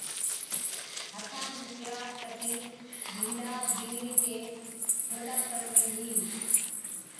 ھٿان نُون ڪِراس ڪتِي بِينڏا بِينڏڙِي چي ٺوڏا پر ميلھِي